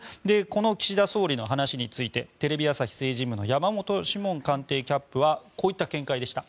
この岸田総理の話についてテレビ朝日政治部の山本志門官邸キャップはこういった見解でした。